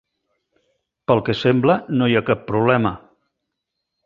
Pel que sembla, no hi ha cap problema.